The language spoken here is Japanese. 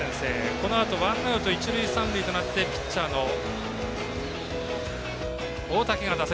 このあとワンアウト、一塁三塁となってピッチャーの大竹が打席。